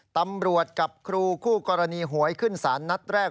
ตำรวจกับครูคู่กรณีหวยขึ้นสารนัดแรก